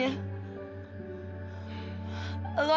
lo adalah hidupnya